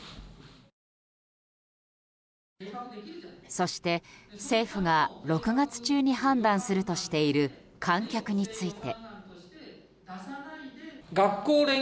そして政府が６月中に判断するとしている観客について。